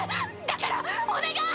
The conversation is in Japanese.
だからお願い！